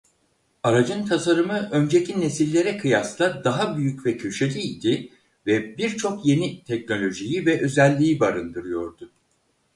Aracın tasarımı önceki nesillere kıyasla daha büyük ve köşeli idi ve birçok yeni teknolojiyi ve özelliği barındırıyordu.